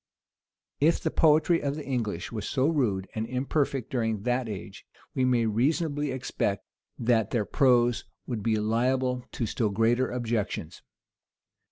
If the poetry of the English was so rude and imperfect during that age, we may reasonably expect that their prose would be liable to still greater objections.